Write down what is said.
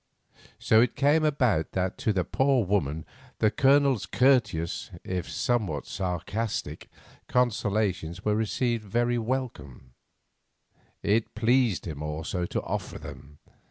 So it came about that to the poor woman the Colonel's courteous, if somewhat sarcastic, consolations were really very welcome. It pleased him also to offer them.